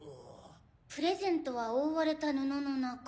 「プレゼントは覆われた布の中」。